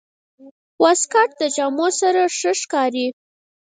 واسکټ د جامو سره ښه ښکاري.